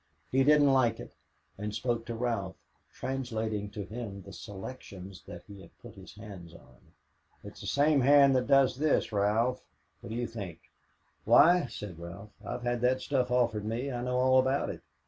He didn't like it and spoke to Ralph, translating to him the selections that he had put his hands on. "It's the same hand that does this, Ralph; what do you think?" "Why," said Ralph, "I've had that stuff offered me. I know all about it.